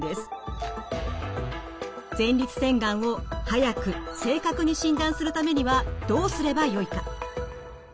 前立腺がんを早く正確に診断するためにはどうすればよいか。